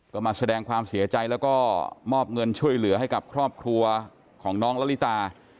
ก็มาแสดงความเสียใจแล้วก็มอบเงินช่วยเหลือให้กับครอบครัวของน้องละลิตา